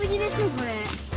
これ。